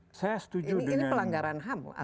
ini pelanggaran ham atau